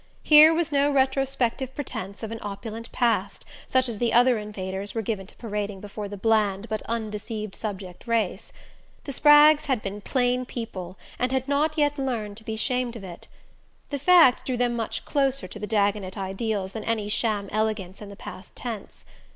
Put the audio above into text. Here was no retrospective pretense of an opulent past, such as the other Invaders were given to parading before the bland but undeceived subject race. The Spraggs had been "plain people" and had not yet learned to be ashamed of it. The fact drew them much closer to the Dagonet ideals than any sham elegance in the past tense.